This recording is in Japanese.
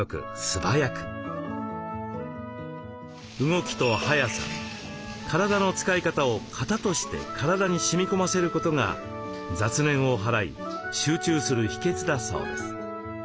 動きと早さ体の使い方を型として体にしみ込ませることが雑念を払い集中する秘けつだそうです。